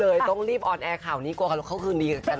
ต้องรีบออนแอร์ข่าวนี้กลัวเขาคืนดีกับแฟน